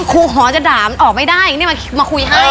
ครูหอจะด่ามันออกไม่ได้นี่มาคุยให้